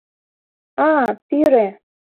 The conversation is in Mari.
— А-а, пире!